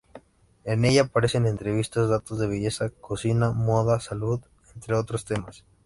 En ella aparecen entrevistas, datos de belleza, cocina, moda, salud, entre otros temas.